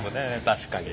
確かに。